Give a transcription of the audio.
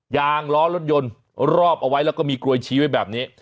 ยางล้อรถยนต์รอบเอาไว้แล้วก็มีกลวยชี้ไว้แบบนี้